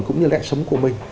cũng như lẽ sống của mình